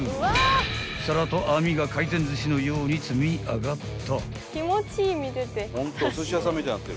［皿と網が回転寿司のように積み上がった］